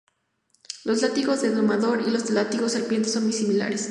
Los látigos de domador y los látigos serpiente son muy similares.